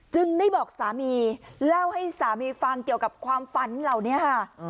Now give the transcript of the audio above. ได้บอกสามีเล่าให้สามีฟังเกี่ยวกับความฝันเหล่านี้ค่ะ